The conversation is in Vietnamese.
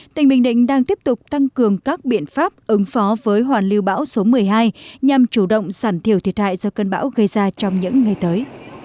tỉnh bình định đang tiếp tục tăng cường các biện pháp ứng phó với hoàn lưu bão số một mươi hai nhằm chủ động giảm thiểu thiệt hại do cơn bão gây ra trong những ngày tới